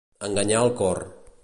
Enganyar el cor.